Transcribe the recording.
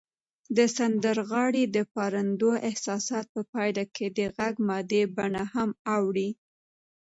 د سندرغاړي د پارندو احساساتو په پایله کې د غږ مادي بڼه هم اوړي